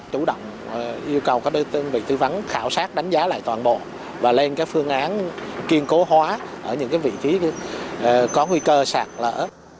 chủ động yêu cầu các đơn vị tư vấn khảo sát đánh giá lại toàn bộ và lên các phương án kiên cố hóa ở những vị trí có nguy cơ sạt lỡ